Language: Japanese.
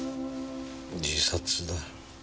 自殺だ。